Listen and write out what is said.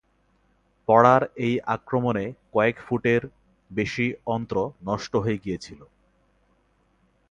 পড়ার এই আক্রমণে কয়েক ফুটের বেশি অন্ত্র নষ্ট হয়ে গিয়েছিল।